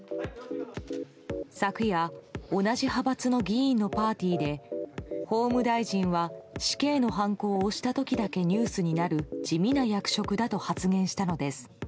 昨夜同じ派閥の議員のパーティーで法務大臣は死刑のはんこを押した時だけニュースになる地味な役職だと発言したのです。